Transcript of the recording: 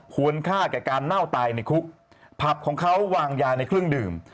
ควรค่ากับการเน่าตายในคุกผับของเขาวางยาในเครื่องดื่ม